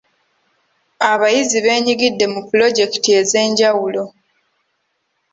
Abayizi beenyigidde mu pulojekiti ez'enjawulo.